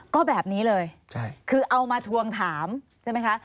ก็แบบนี้เลยคือเอามาทวงถามใช่ไหมคะ